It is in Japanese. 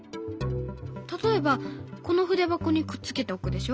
例えばこの筆箱にくっつけておくでしょ。